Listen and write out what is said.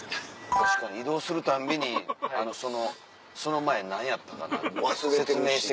確かに移動するたんびにその前何やったかなって。